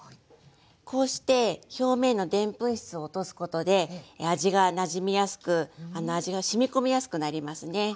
こうして表面のでんぷん質を落とすことで味がなじみやすく味がしみ込みやすくなりますね。